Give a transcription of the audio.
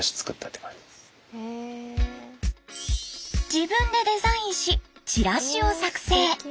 自分でデザインしチラシを作成。